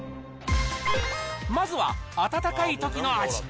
まずは温かいときの味。